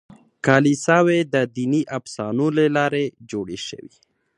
کلیساوې د دیني افسانو له لارې جوړې شوې.